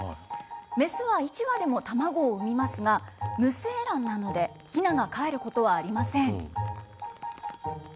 雌は１羽でも卵を産みますが、無精卵なのでひながかえることはありません。